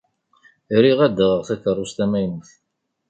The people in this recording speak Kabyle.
Riɣ ad d-aɣeɣ takerrust tamaynut.